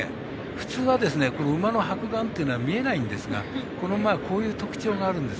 普通は馬の白眼っていうのは見えないんですがこの馬はこういう特徴があるんです。